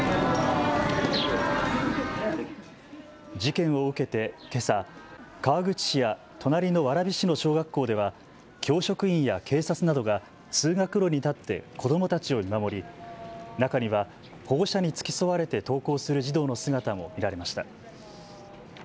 事件を受けて、けさ、川口市や隣の蕨市の小学校では教職員や警察などが通学路に立って子どもたちを見守り中には保護者に付き添われて登校する児童の姿も見られました。